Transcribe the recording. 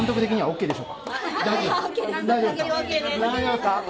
ＯＫです！